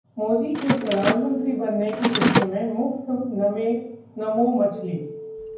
मोदी के प्रधानमंत्री बनने की खुशी में मुफ्त ‘नमो मछली’